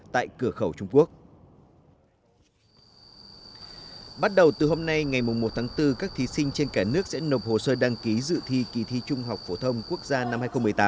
bắt đầu từ hôm nay ngày một tháng bốn các thí sinh trên cả nước sẽ nộp hồ sơ đăng ký dự thi kỳ thi trung học phổ thông quốc gia năm hai nghìn một mươi tám